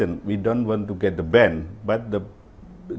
kita tidak ingin mendapatkan ban